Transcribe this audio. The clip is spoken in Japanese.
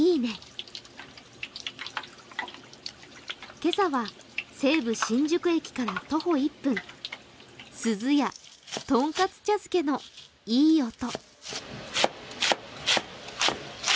今朝は西武新宿駅から徒歩１分、すずや、とんかつ茶づけのいい音。